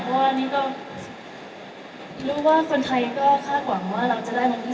เพราะว่านี่ก็รู้ว่าคนไทยก็คาดหวังว่าเราจะได้มาขึ้น